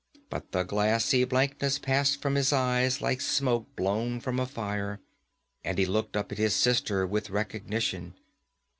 But the glassy blankness passed from his eyes like smoke blown from a fire, and he looked up at his sister with recognition.